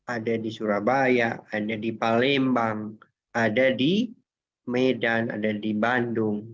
ada di surabaya ada di palembang ada di medan ada di bandung